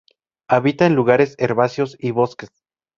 Habita en lugares herbáceos y bosques.